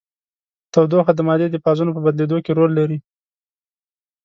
تودوخه د مادې د فازونو په بدلیدو کې رول لري.